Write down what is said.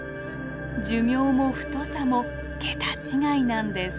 寿命も太さも桁違いなんです。